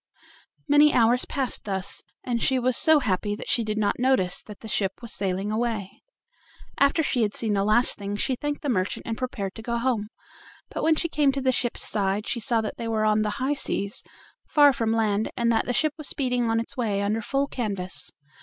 Many hours passed thus, and she was so happy that she did not notice that the ship was sailing away. After she had seen the last thing she thanked the merchant and prepared to go home; but when she came to the ship's side she saw that they were on the high seas, far from land, and that the ship was speeding on its way under full canvas.